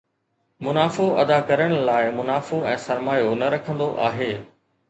منافعو ادا ڪرڻ لاءِ منافعو ۽ سرمايو نه رکندو آھي